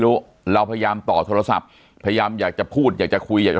เราพยายามต่อโทรศัพท์พยายามอยากจะพูดอยากจะคุยอยากจะ